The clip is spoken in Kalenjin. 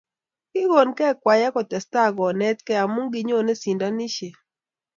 Kikonkei kwaya kotestai konetkei amu kinyone sindanishet